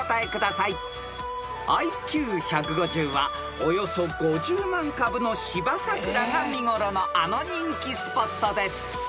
［ＩＱ１５０はおよそ５０万株の芝桜が見頃のあの人気スポットです］